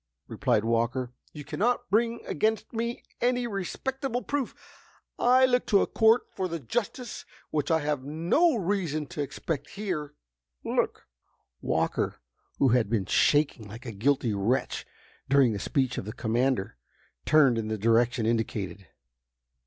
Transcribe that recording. replied Walker. "You can not bring against me any respectable proof. I look to a court for the justice which I have no reason to expect here." "Look!" Walker, who had been shaking like a guilty wretch during the speech of the commander, turned in the direction indicated.